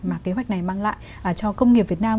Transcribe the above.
mà kế hoạch này mang lại cho công nghiệp việt nam